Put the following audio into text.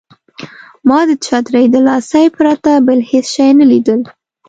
ما د چترۍ د لاسۍ پرته بل هېڅ شی نه لیدل.